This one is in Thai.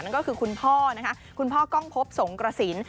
นั่นก็คือคุณพ่อนะคะคุณพ่อกล้องพบสงกระสิน